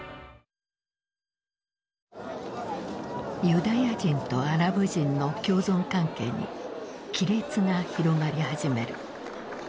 ユダヤ人とアラブ人の共存関係に亀裂が広がり始める。